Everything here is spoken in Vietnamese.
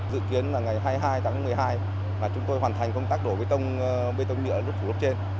dự kiến là ngày hai mươi hai tháng một mươi hai chúng tôi hoàn thành công tác đổ bê tông nhựa lúc phủ lớp trên